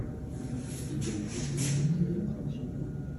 Il l'a utilisée pour créer l'attraction.